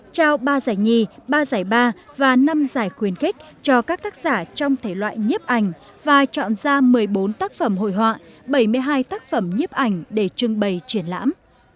trao ba giải nhì ba giải ba và năm giải khuyến khích cho các tác giả trong thể loại nhiếp ảnh và chọn ra một mươi bốn tác phẩm hội họa bảy mươi hai tác phẩm nhiếp ảnh để trưng bày triển lãm